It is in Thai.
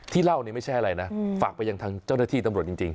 เล่านี่ไม่ใช่อะไรนะฝากไปยังทางเจ้าหน้าที่ตำรวจจริง